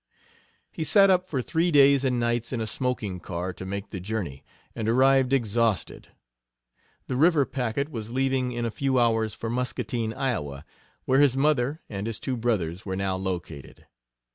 He sat up for three days and nights in a smoking car to make the journey, and arrived exhausted. The river packet was leaving in a few hours for Muscatine, Iowa, where his mother and his two brothers were now located.